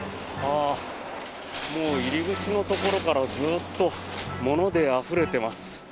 もう入り口のところからずっと物であふれてます。